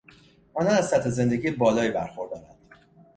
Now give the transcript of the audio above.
آنان از سطح زندگی بالایی برخوردارند.